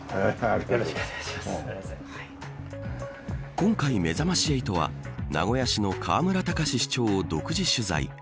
今回、めざまし８は名古屋市の河村たかし市長を独自取材。